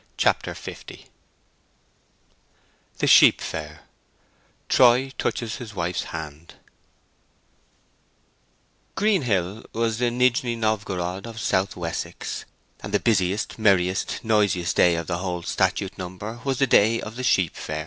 CHAPTER L THE SHEEP FAIR—TROY TOUCHES HIS WIFE'S HAND Greenhill was the Nijni Novgorod of South Wessex; and the busiest, merriest, noisiest day of the whole statute number was the day of the sheep fair.